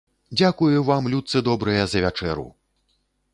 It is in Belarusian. Дзякую вам, людцы добрыя, за вячэру!